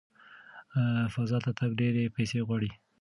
فضا ته تګ ډېرې پیسې غواړي.